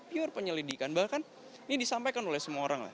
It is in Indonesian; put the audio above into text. pure penyelidikan bahkan ini disampaikan oleh semua orang lah